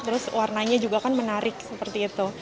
terus warnanya juga kan menarik seperti itu